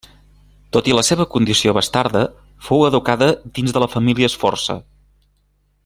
Tot i la seva condició bastarda, fou educada dins de la família Sforza.